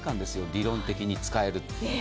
理論的に使えるの。